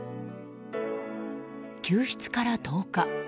救出から１０日。